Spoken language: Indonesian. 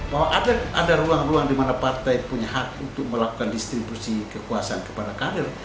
bahwa ada ruang ruang di mana partai punya hak untuk melakukan distribusi kekuasaan kepada kader